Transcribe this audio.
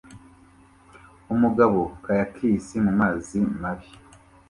Umugabo kayakis mumazi mabi